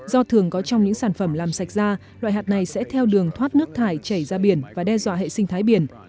do thường có trong những sản phẩm làm sạch da loại hạt này sẽ theo đường thoát nước thải chảy ra biển và đe dọa hệ sinh thái biển